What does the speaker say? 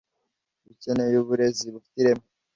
dukeneye uburezi bufite ireme